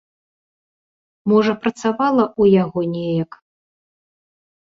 Можа, працавала ў яго неяк.